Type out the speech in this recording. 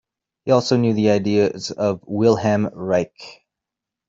He also knew the ideas of Wilhelm Reich.